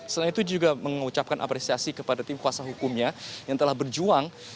selain itu juga mengucapkan apresiasi kepada tim kuasa hukumnya yang telah berjuang